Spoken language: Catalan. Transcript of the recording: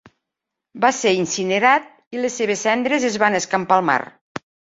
Va ser incinerat, i les seves cendres es van escampar al mar.